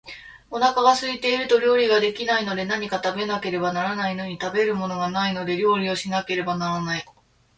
お腹が空いていると料理が出来ないので、何か食べなければならないのに、食べるものがないので料理をしなければならない